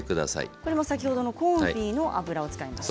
これも先ほどのコンフィの油を使います。